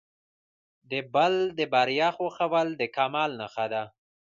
د بل د بریا خوښول د کمال نښه ده.